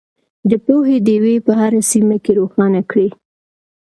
د پوهې ډیوې په هره سیمه کې روښانه کړئ.